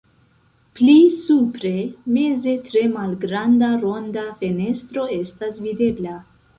Pli supre meze tre malgranda ronda fenestro estas videbla.